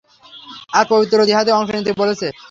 আর পবিত্র জিহাদে অংশ নিতে বলেছে।